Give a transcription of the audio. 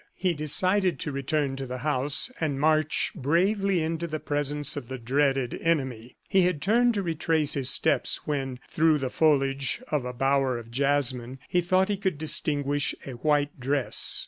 He decided to return to the house and march bravely into the presence of the dreaded enemy. He had turned to retrace his steps when, through the foliage of a bower of jasmine, he thought he could distinguish a white dress.